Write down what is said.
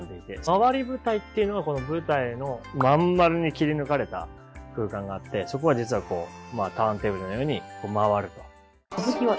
廻り舞台っていうのがこの舞台の真ん丸に切り抜かれた空間があってそこは実はターンテーブルのように回ると。